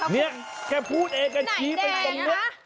ไหนแดงเขาคุณไหนแดงเหรอ